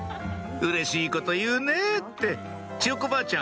「うれしいこと言うねぇ」ってちよこばあちゃん